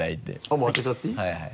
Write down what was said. もう開けちゃっていい？